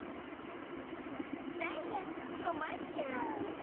ダイヤこまっちゃう。